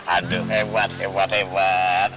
aduh hebat hebat hebat